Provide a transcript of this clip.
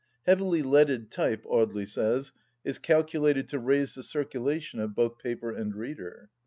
Heavily leaded type, Audely says, is cal culated to raise the circulation of both paper and reader.